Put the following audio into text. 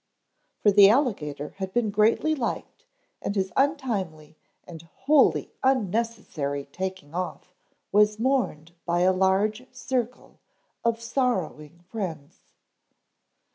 For the alligator had been greatly liked and his untimely and wholly unnecessary taking off was mourned by a large circle of sorrowing friends.